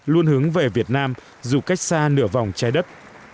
luôn hướng về việt nam dù cách xa nửa vòng trái đất